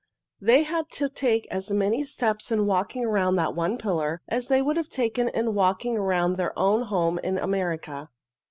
They had to take as many steps in walking around that one pillar as they would have taken in walking around their own home in America.